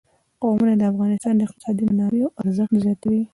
قومونه د افغانستان د اقتصادي منابعو ارزښت زیاتوي.